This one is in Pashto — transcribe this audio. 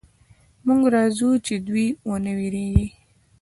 موږ راځو چې دوئ ونه وېرېږي.